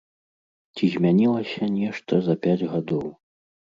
Ці змянілася нешта за пяць гадоў?